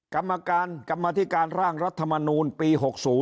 กรรมการกรรมธิการร่างรัฐมนูลปี๖๐